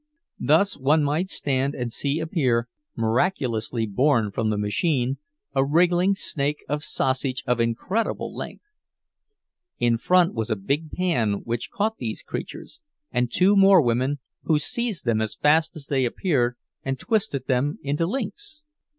Thus one might stand and see appear, miraculously born from the machine, a wriggling snake of sausage of incredible length. In front was a big pan which caught these creatures, and two more women who seized them as fast as they appeared and twisted them into links.